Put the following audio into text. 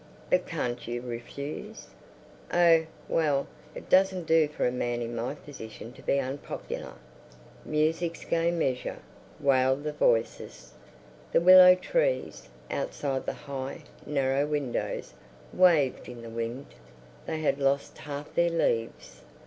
"But can't you refuse?" "Oh, well, it doesn't do for a man in my position to be unpopular." Music's Gay Measure, wailed the voices. The willow trees, outside the high, narrow windows, waved in the wind. They had lost half their leaves.